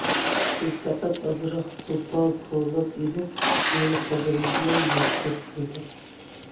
بىز پەقەت ئازراق توپا كولاپ ئېلىپ، يېڭى قەبرىگە يۆتكەپ قويدۇق.